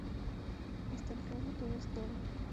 Hasta el rabo, todo es toro